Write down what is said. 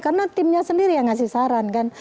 karena timnya sendiri yang ngasih saran kan